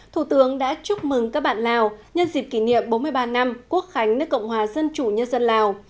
thủ tướng đã chúc mừng các bạn lào nhân dịp kỷ niệm bốn mươi ba năm quốc khánh nước cộng hòa dân chủ nhân dân lào